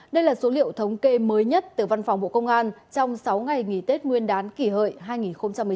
đây là số liệu thống kê mới nhất từ văn phòng bộ công an trong sáu ngày nghỉ tết nguyên đán kỷ hợi hai nghìn một mươi chín